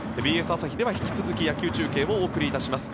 ＢＳ朝日では引き続き野球中継をお送りいたします。